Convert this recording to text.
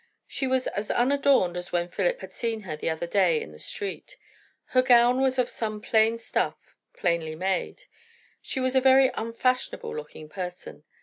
She was as unadorned as when Philip had seen her the other day in the street; her gown was of some plain stuff, plainly made; she was a very unfashionable looking person.